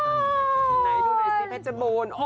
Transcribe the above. ที่ไหนดูด้วยสิเพชรโบร์น